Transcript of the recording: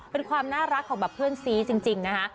เป็นความน่ารักของแบบเพื่อนซีจริงนะคะ